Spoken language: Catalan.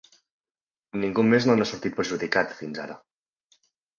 Ningú més no n'ha sortit perjudicat, fins ara.